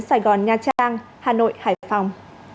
sài gòn nha trang hà nội hải phòng